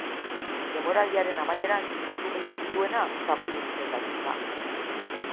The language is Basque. Denboraldiaren amaieran puntu gehien dituena txapeldun izendatzen da.